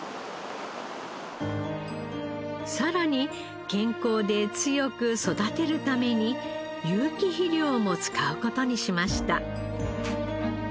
さらに健康で強く育てるために有機肥料も使う事にしました。